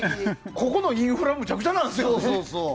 ここのインフラむちゃくちゃなんですよね。